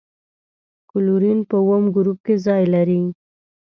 کلورین په اووم ګروپ کې ځای لري.